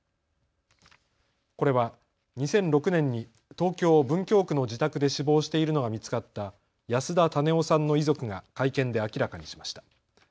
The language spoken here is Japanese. これは２００６年に東京文京区の自宅で死亡しているのが見つかった安田種雄さんの遺族が会見で明らかにしました。